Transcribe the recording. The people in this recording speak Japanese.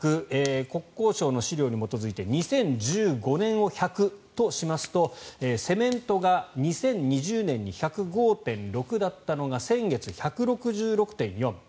国交省の資料に基づいて２０１５年を１００としますとセメントが２０２０年に１０５．６だったのが先月、１６６．４。